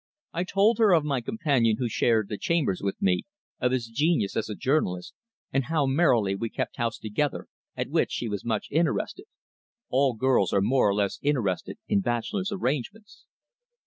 I told her of my companion who shared the chambers with me, of his genius as a journalist, and how merrily we kept house together, at which she was much interested. All girls are more or less interested in bachelors' arrangements.